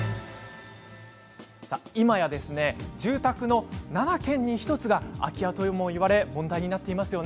今や住宅の７軒に１つが空き家ともいわれて問題になっています。